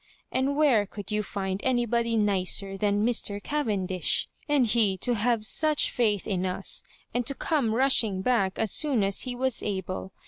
And where could you find anybody nicer than Mr. Cavendish? — and he to have such faith in us, and to come rushing back as soon as he was able.